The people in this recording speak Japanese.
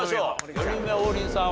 ４人目王林さん